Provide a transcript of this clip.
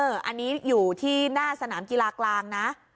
อันนี้อยู่ที่หน้าสนามกีฬากลางนะ